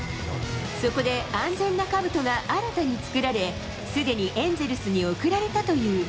そこで安全なかぶとが新たに作られ、すでにエンゼルスに送られたという。